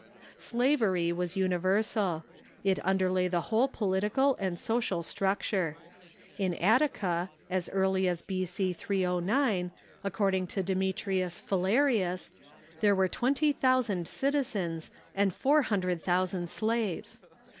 Slavery was universal. It underlay the whole jiolitical and social structure. In Attica, as early as b.c. 309, according to Demetrius Phalereus, there were twenty thousand citi Sl3v6rv zens and four hundred thousand slaves.